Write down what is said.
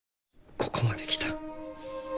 ここまで来た。